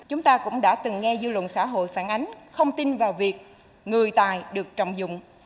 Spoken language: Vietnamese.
chúng ta cũng đã từng nghe dư luận xã hội phản ánh không tin vào việc người tài được trọng dụng